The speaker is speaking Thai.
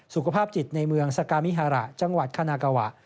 สุขภาพจิตในเมืองสกามิฮาระจังหวัดคณะกาวะ